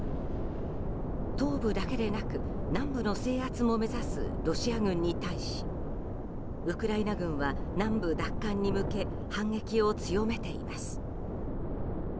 東部だけでなく、南部の制圧も目指すロシア軍に対しウクライナ軍は南部奪還に向け反撃を強めています。